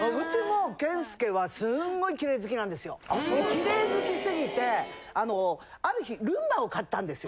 キレイ好きすぎてあのある日ルンバを買ったんですよ。